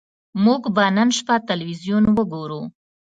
موږ به نن شپه ټلویزیون وګورو